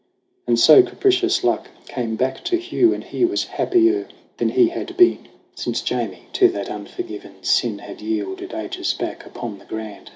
And so capricious luck came back to Hugh ; And he was happier than he had been THE CRAWL 91 Since Jamie to that unforgiven sin Had yielded, ages back upon the Grand.